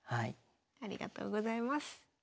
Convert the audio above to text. ありがとうございます。